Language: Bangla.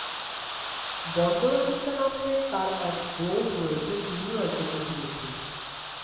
বন্দনা গুপ্তা নামে তার এক বোন রয়েছেন, তিনিও একজন অভিনেত্রী।